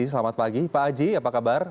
selamat pagi pak aji apa kabar